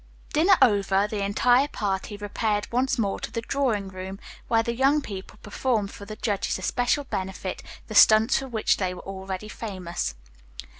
Dinner over, the entire party repaired once more to the drawing room, where the young people performed for the judge's especial benefit the stunts for which they were already famous.